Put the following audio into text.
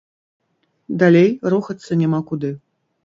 Далей рухацца няма куды.